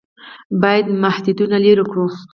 باید محدودیتونه لرې کړو.